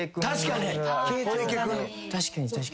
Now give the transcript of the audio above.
確かに確かに。